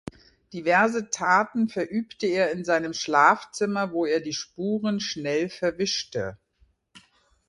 Diverse Taten verübte er in seinem Schlafzimmer, wo er die Spuren schnell verwischte.